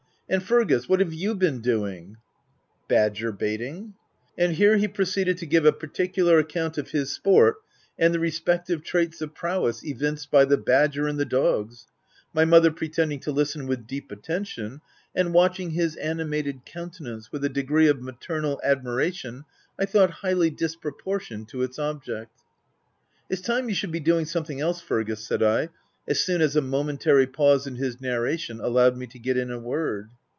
— and Fergus — what have you been doing ?"<( Badger baiting/ * And here he proceeded to give a particular account of his sport, and the respective traits of prowess evinced by the badger and the dogs ; my mother pretending to listen with deep at tention, and watching his animated countenance with a degree of maternal admiration I thought highly disproportioned to its object. " It's time you should be doing something else, Fergus," said I, as soon as a momentary pause in his narration, allowed me to get in a word.